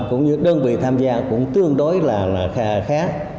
cũng như đơn vị tham gia cũng tương đối là khá